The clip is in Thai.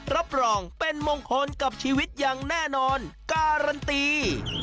รับรองเป็นมงคลกับชีวิตอย่างแน่นอนการันตี